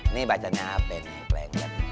nih bacanya apa ini